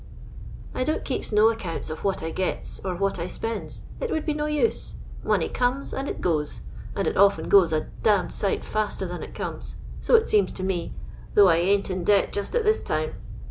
I don't keep no accounts of what I gets, or what I spends, it would be no use ; money comes and it goes, and it often goes a d d sight ^ter than it comes; so it seems to me, though I ain't in debt just at this time.